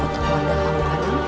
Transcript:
untuk memandang kamu